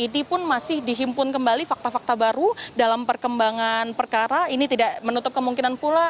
dihimpun kembali fakta fakta baru dalam perkembangan perkara ini tidak menutup kemungkinan pula